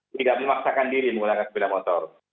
tidak memaksakan diri menggunakan sepeda motor